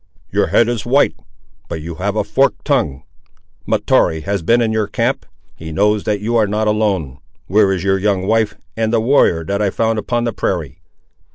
"Your head is white, but you have a forked tongue. Mahtoree has been in your camp. He knows that you are not alone. Where is your young wife, and the warrior that I found upon the prairie?"